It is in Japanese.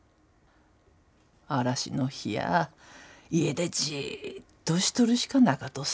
嵐の日や家でじっとしとるしかなかとさ。